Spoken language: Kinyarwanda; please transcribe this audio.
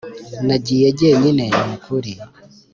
nagiye jyenyine nukuri